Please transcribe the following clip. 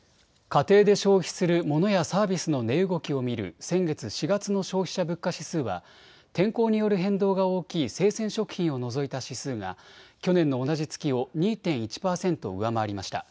家庭で消費するモノやサービスの値動きを見る先月４月の消費者物価指数は天候による変動が大きい生鮮食品を除いた指数が去年の同じ月を２．１％上回りました。